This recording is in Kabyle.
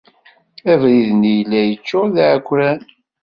Abrid-nni yella yeččuṛ d iɛekren.